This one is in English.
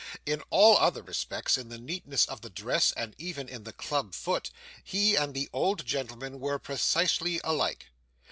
In all other respects, in the neatness of the dress, and even in the club foot, he and the old gentleman were precisely alike.